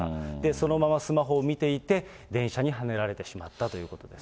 そのままスマホを見ていて、電車にはねられてしまったということです。